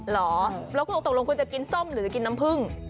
เราก็ตกลงคุณจะกินส้มหรือกินน้ำผึ้ง